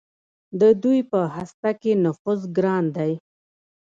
د دوی په هسته کې نفوذ ګران دی.